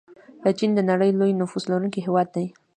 چین د نړۍ لوی نفوس لرونکی هیواد دی.